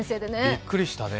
びっくりしたね。